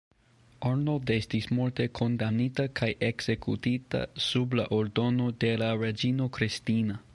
Arnold estis morte kondamnita kaj ekzekutita sub la ordono de la reĝino Kristina.